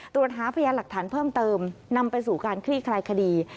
ตรวจหาพยานหลักฐานเพิ่มเติมนำไปสู่การคลี่คลายคดี